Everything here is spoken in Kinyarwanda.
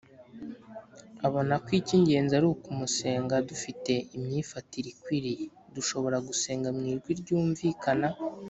abona ko icy ingenzi ari ukumusenga dufite imyifatire ikwiriye Dushobora gusenga mu ijwi ryumvikana